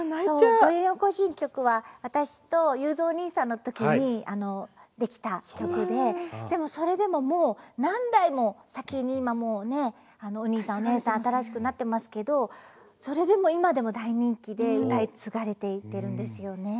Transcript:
「ぼよよん行進曲」は私とゆうぞうお兄さんの時に出来た曲ででもそれでももう何代も先に今もうねお兄さんお姉さん新しくなってますけどそれでも今でも大人気で歌い継がれていってるんですよね。